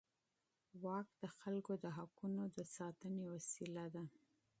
واک د خلکو د حقونو د ساتنې وسیله ده.